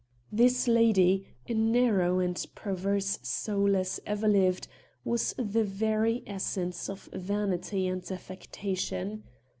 This lady, a narrow and perverse soul as ever lived, was the very essence of vanity and affectation.